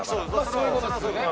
そういうことですよね。